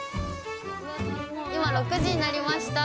今、６時になりました。